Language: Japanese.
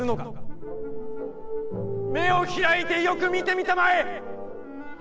目を開いてよく見てみたまえ！